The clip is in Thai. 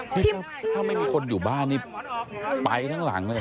นี่ถ้าไม่มีคนอยู่บ้านนี่ไปทั้งหลังเลย